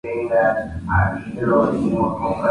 El productor fue el propio Marvin Gaye.